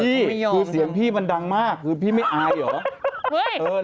นี่คือเสียงพี่มันดังมากคือพี่ไม่อายเหรอ